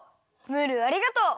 ムールありがとう。